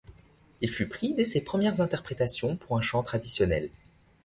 Il fut pris dès ses premières interprétations pour un chant traditionnel.